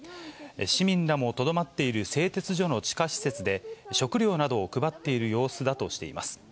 市民らもとどまっている製鉄所の地下施設で、食料などを配っている様子だとしています。